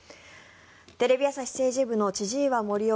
テレビ朝日政治部の千々岩森生